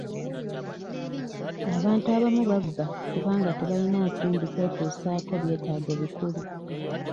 Abantu abamu babba kubanga tebayina nsimbi kwetusaako byetaago bikulu.